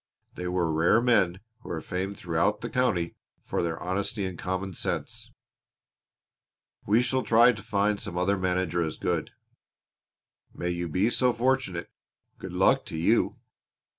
They were rare men who were famed throughout the county for their honesty and common sense." "We shall try to find some other manager as good." "May you be so fortunate. Good luck to you!"